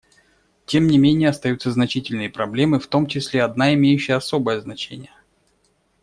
Тем не менее остаются значительные проблемы, в том числе одна, имеющая особое значение.